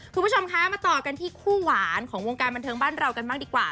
คุณผู้ชมคะมาต่อกันที่คู่หวานของวงการบันเทิงบ้านเรากันบ้างดีกว่า